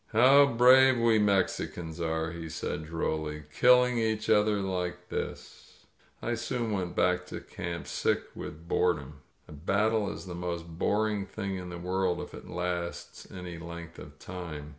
"How brave we Mexicans are,*' he said drolly, Kill ing each other like this !•.." I soon went back to camp, sick with boredom. A battle is the most boring thing in the world if it lasts any length of time.